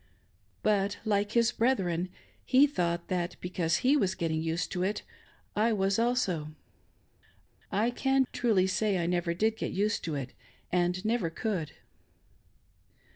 But, like his brethren, he thought that, because he was getting used to it, I was also. I can truly say I never did get used to it, and never could.